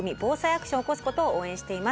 アクションを起こすことを応援しています。